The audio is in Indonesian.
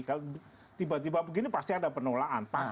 kalau tiba tiba begini pasti ada penolaan